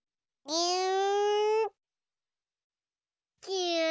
ぎゅん。